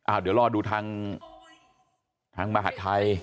อ้าวเดี๋ยวรอดูทางมหัฐไทย